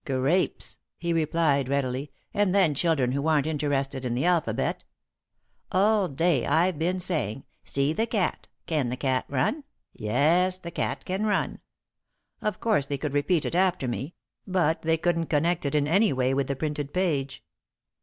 "Grapes," he replied, readily, "and then children who aren't interested in the alphabet. All day I've been saying: 'See the cat. Can the cat run? Yes, the cat can run.' Of course they could repeat it after me, but they couldn't connect it in any way with the printed page.